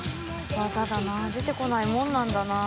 技だな出てこないものなんだな。